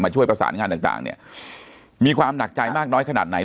ช่วยประสานงานต่างเนี่ยมีความหนักใจมากน้อยขนาดไหน